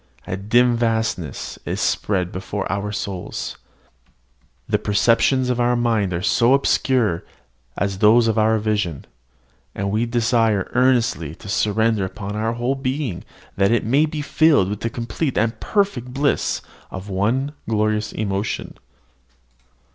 A dim vastness is spread before our souls: the perceptions of our mind are as obscure as those of our vision; and we desire earnestly to surrender up our whole being, that it may be filled with the complete and perfect bliss of one glorious emotion.